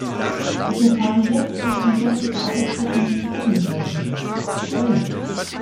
Ich erfahre jetzt, dass ein solches Arbeitsdokument kommen soll, und das ist ja erfreulich.